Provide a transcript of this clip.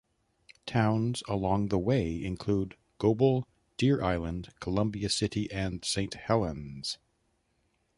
Towns along the way include Goble, Deer Island, Columbia City, and Saint Helens.